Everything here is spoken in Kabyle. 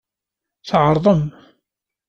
Tɛeṛḍem.